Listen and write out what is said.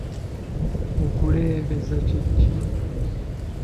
Okuleebeza kye ki?